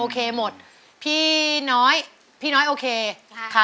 สวัสดีครับ